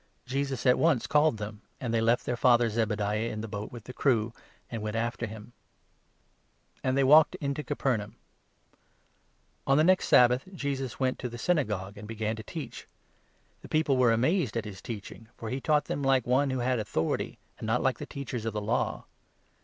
Jesus at once called them, and they left their father Zebediah 20 in the boat with the crew, and went after him. Cure or they walked into Capernaum. On 21 a possessed the next Sabbath Jesus went into the Synagogue Man. an(j began to teach. The people were amazed 22 at his teaching, for he taught them like one who had authority, and not like the Teachers of the Law.